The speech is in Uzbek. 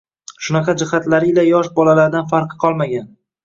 shunaqa jihatlari ila yosh boladan farqi qolmagan